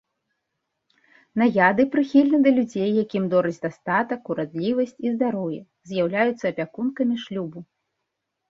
Наяды прыхільны да людзей, якім дораць дастатак, урадлівасць і здароўе, з'яўляюцца апякункамі шлюбу.